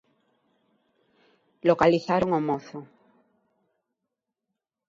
Localizaron o mozo.